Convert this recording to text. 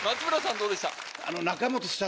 どうでした？